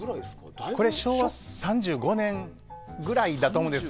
これ昭和３５年ぐらいだと思うんです。